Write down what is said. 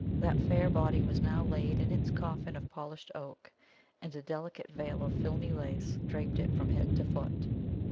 That fair body was now laid in its coffin of polished oak, and a delicate veil of filmy lace draped it from head to foot.